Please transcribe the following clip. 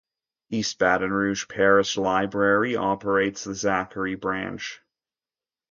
East Baton Rouge Parish Library operates the Zachary Branch.